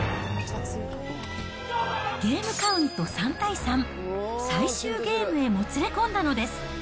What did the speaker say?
ゲームカウント３対３、最終ゲームへもつれ込んだのです。